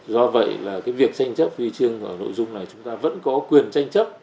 do vậy việc tranh chấp huy chương ở nội dung này chúng ta vẫn có quyền tranh chấp